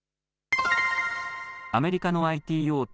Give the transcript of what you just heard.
アメリカのＩＴ大手